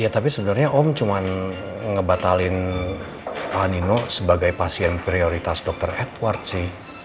ya tapi sebenernya om cuman ngebatalin anino sebagai pasien prioritas dokter edward sih